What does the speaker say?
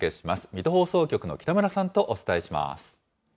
水戸放送局の北村さんとお伝えします。